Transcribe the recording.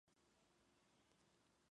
La estatua fue trasladada varias veces.